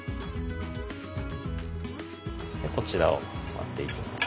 こちらを割っていきます。